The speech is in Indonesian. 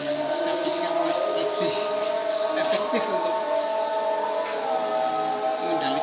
karena kami sudah melakukan berbagai upaya